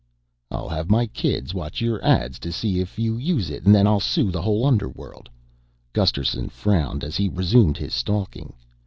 "I'll have my kids watch your ads to see if you use it and then I'll sue the whole underworld." Gusterson frowned as he resumed his stalking.